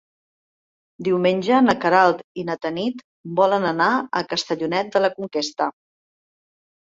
Diumenge na Queralt i na Tanit volen anar a Castellonet de la Conquesta.